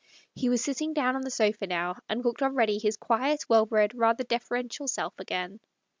He was sitting down on the sofa now, and looked already his quiet, well bred, rather deferential self again.